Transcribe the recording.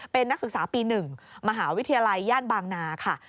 เป็นนักศึกษาปี๑มหาวิทยาลัยย่านบางนาค่ะ